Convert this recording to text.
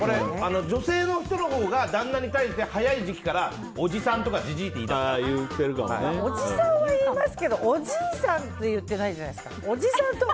女性の人のほうが旦那に対して早い段階でおじさんとか、じじいっておじさんは言いますけどおじいさんって言ってないじゃないですか。